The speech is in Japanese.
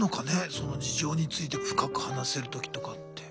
その事情について深く話せる時とかって。